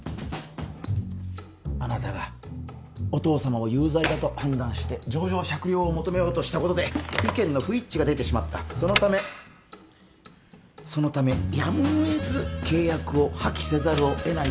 あなたがお父様を有罪だと判断して情状酌量を求めようとしたことで意見の不一致が出てしまったそのためそのためやむをえず契約を破棄せざるをえない